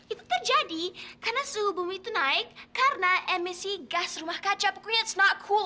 itu terjadi karena suhu bumi itu naik karena emisi gas rumah kaca pokoknya it's not cool